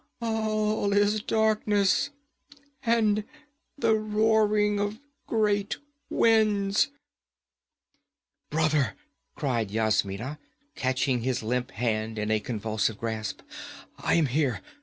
All is darkness, and the roaring of great winds!' 'Brother!' cried Yasmina, catching his limp hand in a convulsive grasp. 'I am here!